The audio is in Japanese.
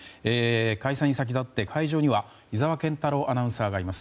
開催に先立って会場には井澤健太朗アナウンサーがいます。